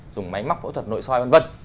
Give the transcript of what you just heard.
dùng máy móc phẫu thuật nội soi vân vân